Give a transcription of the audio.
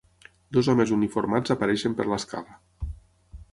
Dos homes uniformats apareixen per l'escala.